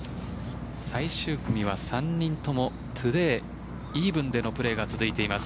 最終組は３人ともトゥデイイーブンでのプレーが続いています。